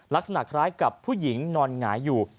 ลักษณะคล้ายกับผู้หญิงนอนหงายอยู่